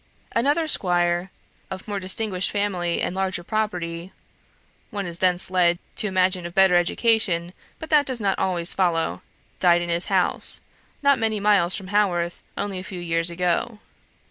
Another squire, of more distinguished family and larger property one is thence led to imagine of better education, but that does not always follow died at his house, not many miles from Haworth, only a few years ago.